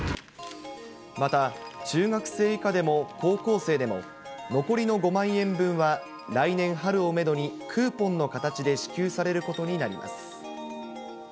また中学生以下でも高校生でも、残りの５万円分は来年春をメドにクーポンの形で支給されることになります。